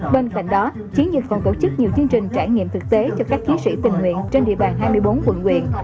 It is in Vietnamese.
bên cạnh đó chiến dịch còn tổ chức nhiều chương trình trải nghiệm thực tế cho các chiến sĩ tình nguyện trên địa bàn hai mươi bốn quận huyện